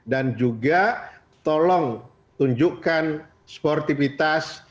dan juga tolong tunjukkan sportivitas